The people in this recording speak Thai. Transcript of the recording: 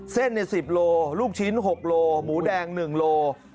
เส้น๑๐โลลูกชิ้น๖โลหมูแดง๑โล